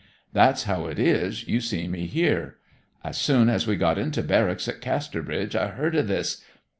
That's how it is you see me here. As soon as we got into barracks at Casterbridge I heard o' this